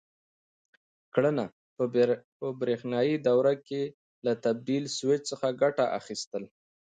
کړنه: په برېښنایي دوره کې له تبدیل سویچ څخه ګټه اخیستل: